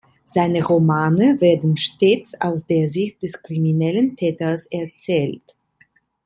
Seine Romane werden stets aus der Sicht des kriminellen Täters erzählt.